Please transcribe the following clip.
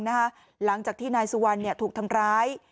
หลังจากที่นายสุวรรณถูกทำร้าย